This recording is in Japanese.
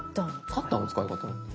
「カッターの使い方」？